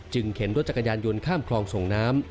เข็นรถจักรยานยนต์ข้ามคลองส่งน้ำ